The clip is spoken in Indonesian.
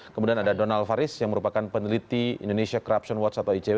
kemudian ada donald faris yang merupakan peneliti indonesia corruption watch atau icw